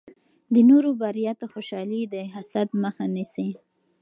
د نورو بریا ته خوشحالي د حسد مخه نیسي.